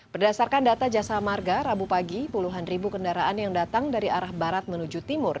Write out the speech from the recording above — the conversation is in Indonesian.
berdasarkan data jasa marga rabu pagi puluhan ribu kendaraan yang datang dari arah barat menuju timur